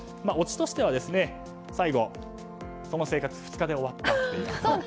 オチとしては最後、この生活２日で終わったと。